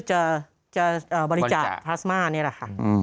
ชื่อจะบริจารณ์พลาสมานี่แหละค่ะ